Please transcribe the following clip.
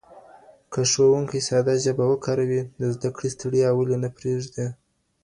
که ښوونکي ساده ژبه وکاروي د زده کړي ستړيا ولې نه ډېرېږي؟